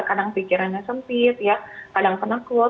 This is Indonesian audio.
kadang pikirannya sempit ya kadang penakut